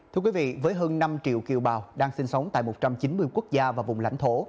thưa quý vị với hơn năm triệu kiều bào đang sinh sống tại một trăm chín mươi quốc gia và vùng lãnh thổ